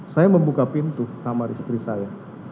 saya membuka pintu kamar istri saya